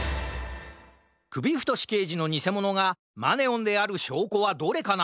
くびふとしけいじのにせものがマネオンであるしょうこはどれかな？